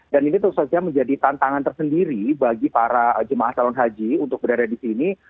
dan ini terus saja menjadi tantangan tersendiri bagi para jemaah calon haji untuk berada di sini